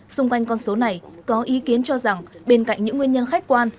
xung quanh con số này có ý kiến cho rằng bên cạnh những nguyên nhân khách quan